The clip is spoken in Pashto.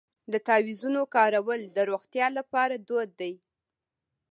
د تعویذونو کارول د روغتیا لپاره دود دی.